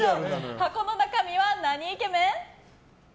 箱の中身はなにイケメン？